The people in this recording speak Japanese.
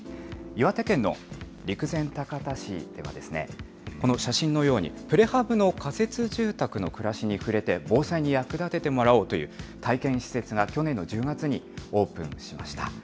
岩手県の陸前高田市では、この写真のように、プレハブの仮設住宅の暮らしに触れて、防災に役立ててもらおうという体験施設が、去年の１０月にオープンしました。